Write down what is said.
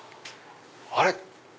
あれ⁉